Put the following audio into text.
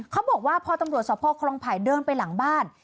เขาบอกว่าพอตำรวจสภคลองไผ่เดินไปหลังบ้าน